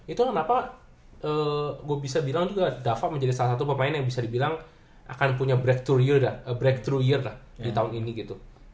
itu kenapa gue bisa bilang juga dava menjadi salah satu pemain yang bisa dibilang akan punya breaktro year lah di tahun ini gitu